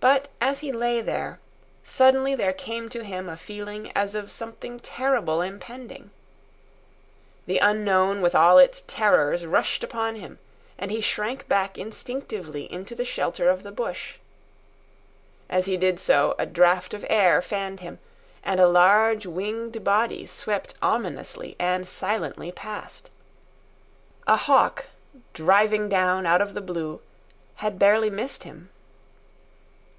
But as he lay there, suddenly there came to him a feeling as of something terrible impending. The unknown with all its terrors rushed upon him, and he shrank back instinctively into the shelter of the bush. As he did so, a draught of air fanned him, and a large, winged body swept ominously and silently past. A hawk, driving down out of the blue, had barely missed him.